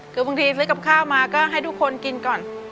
คือบางทีซื้อกับข้าวมาก็ให้ทุกคนกินก่อน